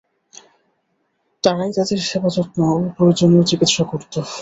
তারাই তাদের সেবা যত্ন ও প্রয়োজনীয় চিকিৎসা করত।